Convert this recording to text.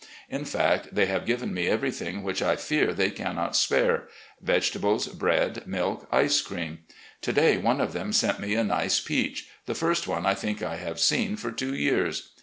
In fact, they have given me ever3rthing, which I fear they cannot spare — ^vegetables, bread, milk, ice cream. To day one of them sent me a nice peach — ^the first one I think I have seen for two years.